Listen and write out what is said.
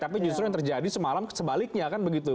tapi justru yang terjadi semalam sebaliknya kan begitu